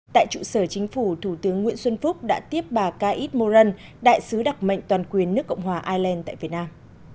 tại trụ sở chính phủ thủ tướng nguyễn xuân phúc đã tiếp bà kaid moran đại sứ đặc mệnh toàn quyền nước cộng hòa ireland tại việt nam